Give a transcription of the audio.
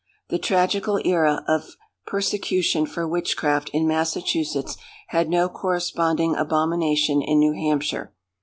The tragical era of persecution for witchcraft in Massachusetts had no corresponding abomination in New Hampshire.